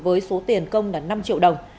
với số tiền công là năm triệu đồng